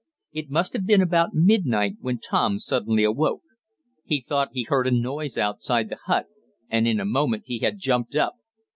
It must have been about midnight when Tom suddenly awoke. He thought he heard a noise outside the hut and in a moment he had jumped up.